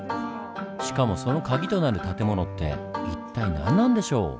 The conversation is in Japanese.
しかもそのカギとなる建物って一体何なんでしょう？